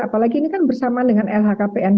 apalagi ini kan bersamaan dengan lhkpn